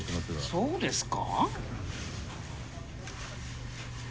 そうですか？